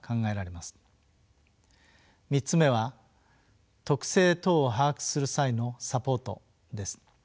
３つ目は特性等を把握する際のサポートです。